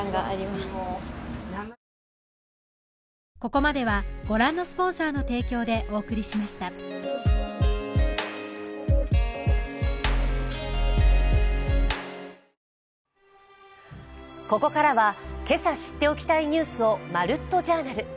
ここからは今朝知っておきたいニュースを「まるっと！Ｊｏｕｒｎａｌ」。